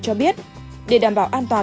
cho biết để đảm bảo an toàn